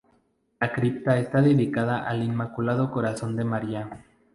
La cripta está dedicada al Inmaculado Corazón de María.